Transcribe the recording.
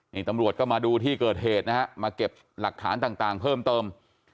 นี่ตำรวจก็มาดูที่เกิดเหตุนะฮะมาเก็บหลักฐานต่างเพิ่มเติม